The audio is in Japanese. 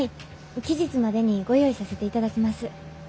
期日までにご用意させていただきます。